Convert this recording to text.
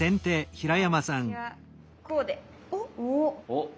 おっ。